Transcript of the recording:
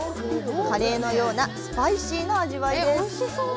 カレーのようなスパイシーな味わいです。